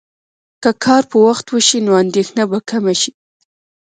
که کار په وخت وشي، نو اندېښنه به کمه شي.